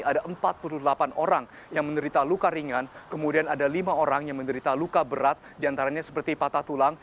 ada empat puluh delapan orang yang menderita luka ringan kemudian ada lima orang yang menderita luka berat diantaranya seperti patah tulang